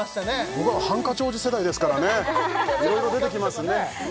僕はハンカチ王子世代ですからねいろいろ出てきますね